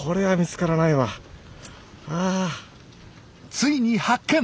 ついに発見！